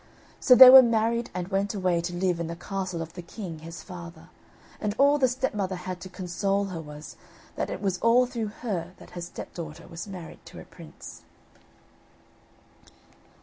So they were married and went away to live in the castle of the king, his father, and all the stepmother had to console her was, that it was all through her that her stepdaughter was married to a prince.